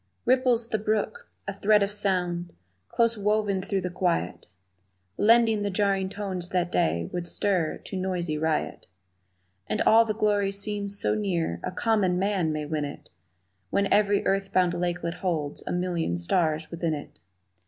Ripples the brook, a thread of sound Close woven through the quiet, Blending the jarring tones that day Would stir to noisy riot. And all the glory seems so near A common man may win it When every earth bound lakelet holds A million stars within it.